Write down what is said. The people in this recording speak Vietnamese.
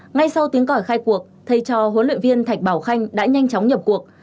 ngay sau tiếng cỏi khai cuộc thay cho huấn luyện viên thạch bảo khanh đã nhanh chóng nhập cuộc